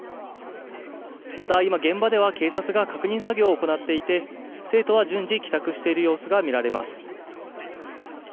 まだ今現場では警察が確認作業を行っていて生徒は順次帰宅している様子が見られます。